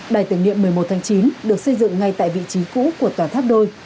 đài tưởng niệm một mươi một tháng chín được xây dựng ngay tại vị trí cũ của tòa tháp đôi